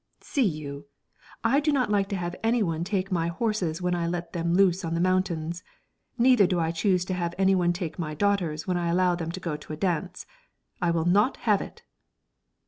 "See you, I do not like to have any one take my horses when I let them loose on the mountains, neither do I choose to have any one take my daughters when I allow them to go to a dance. I will not have it."